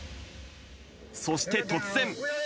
そして突然。